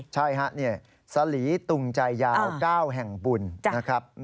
ใช่ฮะสลีตุงใจยาว๙แห่งบุญนะครับ